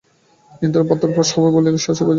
নিমন্ত্রণ পত্র পাস নাই বলিয়া কি শ্বশুর বাড়ি যাইতিস না?